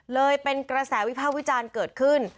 เลยเป็นกระแสวิภาควิจารณ์เกิดขึ้น